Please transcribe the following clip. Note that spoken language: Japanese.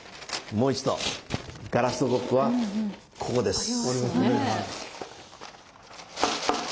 もう一度ガラスのコップはここです。